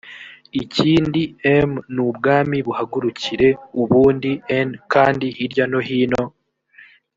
ikindi m n ubwami buhagurukire ubundi n kandi hirya no hino